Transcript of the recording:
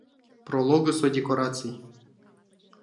Прологысо декораций.